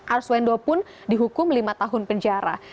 arswendo pun dihukum lima tahun penjara